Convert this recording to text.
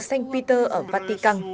sanh peter ở vatican